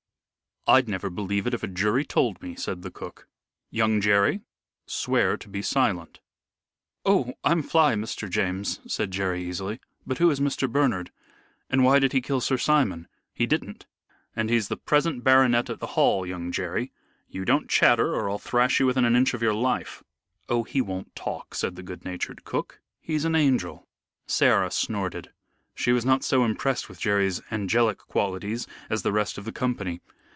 "I'd never believe it if a jury told me," said the cook. "Young Jerry, swear to be silent." "Oh! I'm fly, Mr. James," said Jerry, easily; "but who is Mr. Bernard? and why did he kill Sir Simon?" "He didn't, and he's the present baronet at the Hall, young Jerry. You don't chatter or I'll thrash you within an inch of your life." "Oh, he won't talk," said the good natured cook. "He's an angel." Sarah snorted. She was not so impressed with Jerry's angelic qualities as the rest of the company.